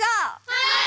はい！